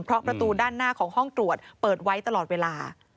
เพราะประตูด้านหน้าของห้องตรวจเปิดไว้ตลอดเวลา